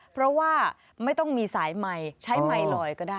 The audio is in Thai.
เพราะว่าไม่ต้องมีสายไมค์ใช้ไมค์ลอยก็ได้